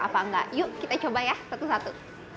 apa enggak yuk kita coba ya satu satu